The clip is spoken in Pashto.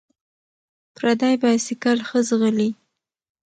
ـ پردى بايسکل ښه ځغلي.